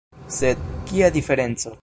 Sed, kia diferenco!